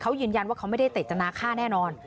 เขายืนยันว่าเขาไม่ได้เจตนาฆ่าแน่นอน